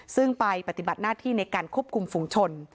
ซึ่งไปปฏิบัติหน้าที่ในการควบคุมฝุงชน